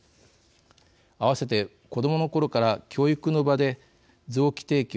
併せて子どものころから教育の場で臓器提供